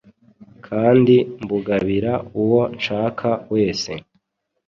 kandi mbugabira uwo nshaka wese